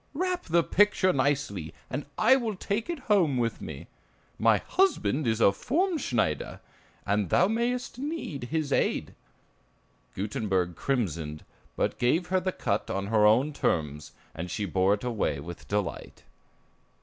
Wrap the picture nicely, and I will take it home with me. My husband is a formschneider, and thou mayst need his aid." Gutenberg crimsoned, but gave her the cut on her own terms, and she bore it away with delight.